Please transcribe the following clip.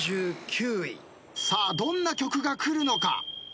さあどんな曲が来るのか。